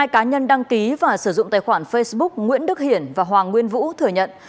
hai cá nhân đăng ký và sử dụng tài khoản facebook nguyễn đức hiển và hoàng nguyên vũ thừa nhận